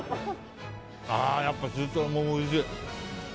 やっぱ中トロもおいしい。